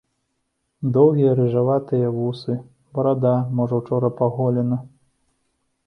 Доўгія рыжаватыя вусы, барада, можа, учора паголена.